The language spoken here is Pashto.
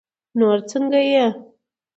نور څنګه يې؟